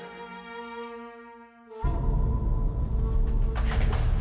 tidak mencerminkan watak raja agung